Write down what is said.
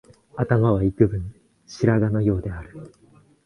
頭はいくぶん白髪のようである